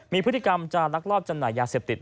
มีพฤติกรรมจะลักลอบจำหน่ายยาเสพติด